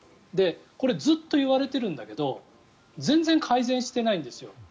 ずっと言われているんだけど全然改善してないんですよ。